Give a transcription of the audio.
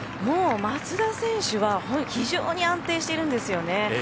もう松田選手は非常に安定しているんですよね。